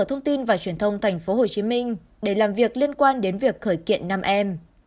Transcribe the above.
thông tin và truyền thông tp hcm để làm việc liên quan đến việc khởi kiện nam em